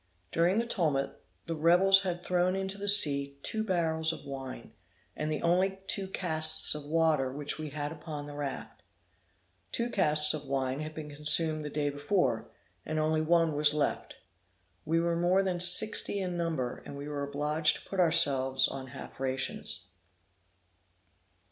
During the tumult, the rebels had thrown into the sea two barrels of wine, and the only two casks of water which we had upon the raft. Two casks of wine had been consumed the day before, and only one was left. We were more than sixty in number, and we were obliged to put ourselves on half rations.